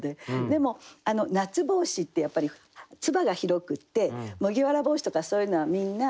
でも夏帽子ってやっぱりつばが広くって麦わら帽子とかそういうのはみんな夏の季語なので。